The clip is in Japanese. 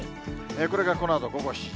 これがこのあと午後７時。